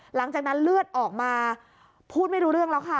หลังจากนั้นเลือดออกมาพูดไม่รู้เรื่องแล้วค่ะ